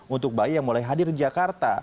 untuk bayi yang mulai hadir di jakarta